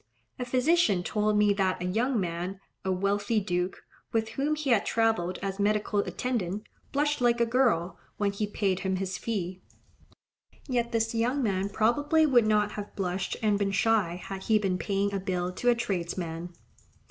A physician told me that a young man, a wealthy duke, with whom he had travelled as medical attendant, blushed like a girl, when he paid him his fee; yet this young man probably would not have blushed and been shy, had he been paying a bill to a tradesman.